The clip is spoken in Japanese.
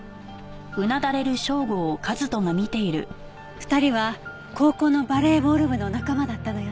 ２人は高校のバレーボール部の仲間だったのよね。